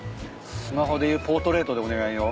スマホでいうポートレートでお願いよ。